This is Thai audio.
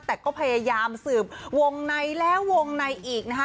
แต่ก็พยายามสืบวงในแล้ววงในอีกนะคะ